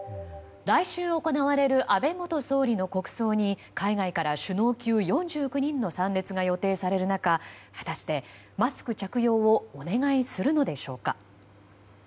来週行われる安倍元総理の国葬に海外から首脳級４９人の参列が予定される中果たして、マスク着用をお願いするのでしょうか。